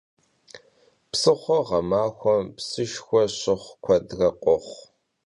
Psıxhuer ğemaxuem psınşşe şıxhu kuedre khoxhu.